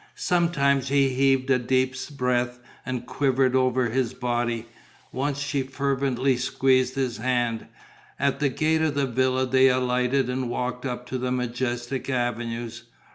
Sometimes he heaved a deep breath and quivered all over his body. Once she fervently squeezed his hand. At the gate of the villa they alighted and walked up the majestic avenues.